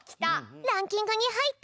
ランキングにはいっているのか？